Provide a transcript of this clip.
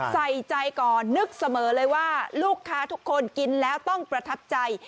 ใส่ใจก่อนนึกเสมอเลยว่าลูกค้าทุกคนกินแล้วต้องประทับใจ